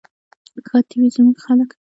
ښاد دې وي زموږ خلک.